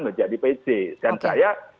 menjadi pc dan saya